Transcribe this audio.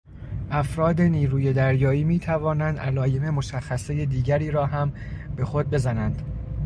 افراد نیروی دریایی میتوانند علایم مشخصهی دیگری را هم به خود بزنند.